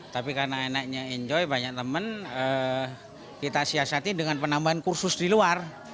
tapi karena anaknya enjoy banyak teman kita siasati dengan penambahan kursus di luar